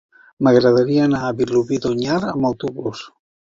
M'agradaria anar a Vilobí d'Onyar amb autobús.